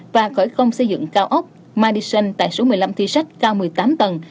và khởi công xây dựng cao ốc midison tại số một mươi năm thi sách cao một mươi tám tầng